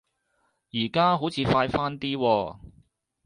而家好似快返啲喎